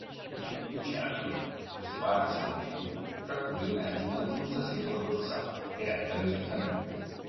Pedicello cosparso di peli, fra cui emerge una robusta setola dorsale, eretta verticalmente.